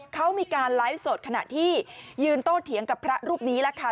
เขามีการไลฟ์สดขณะที่ยืนโต้เถียงกับพระรูปนี้แหละค่ะ